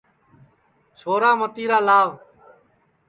چھورا متیرا لاو